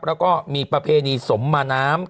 แล้วก็มีประเพณีสมมาน้ำ